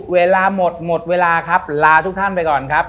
เวลาหมดหมดเวลาครับลาทุกท่านไปก่อนครับ